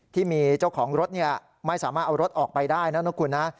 ที่มีเจ้าของรถไม่สามารถเอารถออกไปได้นะคุณนะ